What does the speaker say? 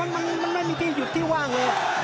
อย่างน้อยพูดไม่ได้มันไม่มีที่หยุดที่ว่างเลย